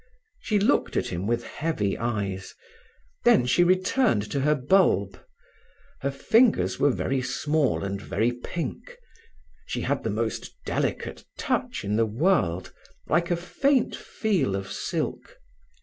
She looked at him with heavy eyes. Then she returned to her bulb. Her fingers were very small and very pink. She had the most delicate touch in the world, like a faint feel of silk.